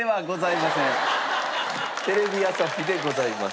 テレビ朝日でございます。